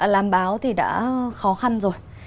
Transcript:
làm báo thì đã khó khăn rồi